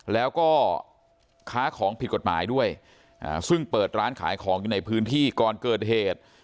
แล้วก็ค้าของผิดกฎหมายด้วยซึ่งเปิดร้านขายของอยู่ในพื้นที่ก่อนเกิดเหตุ